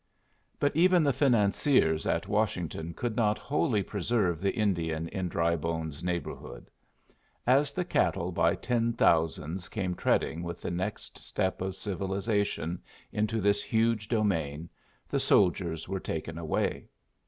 But even the financiers at Washington could not wholly preserve the Indian in Drybone's neighborhood. As the cattle by ten thousands came treading with the next step of civilization into this huge domain, the soldiers were taken away.